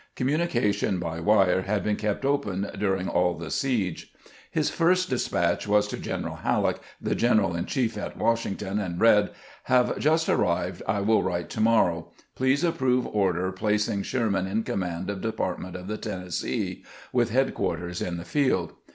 Com munication by wire had been kept open during all the siege. His first despatch was to Greneral Halleck, the general in chief at "Washington, and read :" Have just a/mvedj I will write to morrpw, Please approve b CAMPAIGNING WITH GEANT order placing Sherman in command of Department of the Tennessee, witli headquarters in the field."